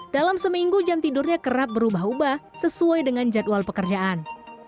dalam seminggu jam tidurnya kerap berubah ubah sesuai dengan jadwal pekerjaan